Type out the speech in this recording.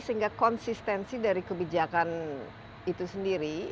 sehingga konsistensi dari kebijakan itu sendiri